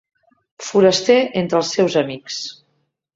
Foraster entre els seus amics